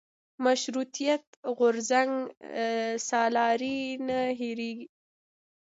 مشروطیت غورځنګ سرلاري نه هېرېږي.